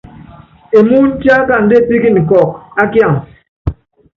Emúny tiakanda epíkinin kɔ́ɔk a kiansɛ.